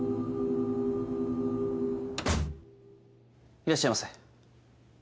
いらっしゃいませ。